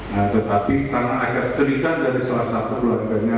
nah tetapi karena ada cerita dari salah satu keluarganya